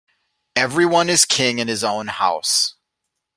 Every one is king in his own house.